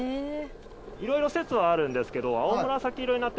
いろいろ説はあるんですけど。